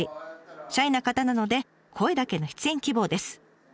シャイな方なので声だけの出演希望です。